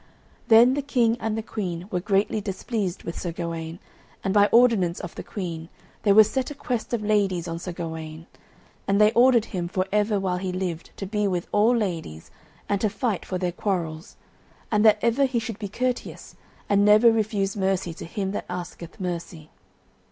Then the King and the Queen were greatly displeased with Sir Gawaine, and by ordinance of the Queen there was set a quest of ladies on Sir Gawaine, and they ordered him for ever while he lived to be with all ladies, and to fight for their quarrels; and that ever he should be courteous, and never refuse mercy to him that asketh mercy.